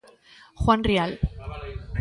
Juan Rial.